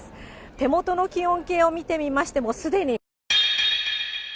手元の気温計を見てみましても、すでに。